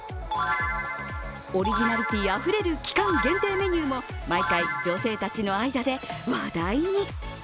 オリジナリティーあふれる期間限定メニューも、毎回、女性たちの間で話題に。